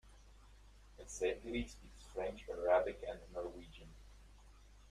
Essediri speaks French, Arabic and Norwegian.